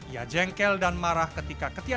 ia jengkel dan marah ketika ketinggalan